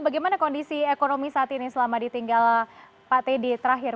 bagaimana kondisi ekonomi selama di tinggal pak teddy terakhir